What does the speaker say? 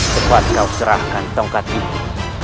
cepat kau serahkan tongkat ini